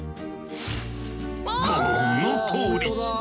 このとおり！